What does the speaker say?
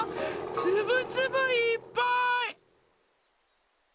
つぶつぶいっぱい！